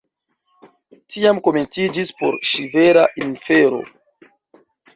Tiam komenciĝis por ŝi vera infero.